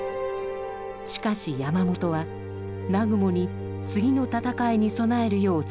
しかし山本は南雲に次の戦いに備えるよう伝えました。